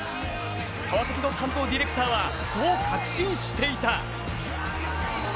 川崎の担当ディレクターはそう確信していた。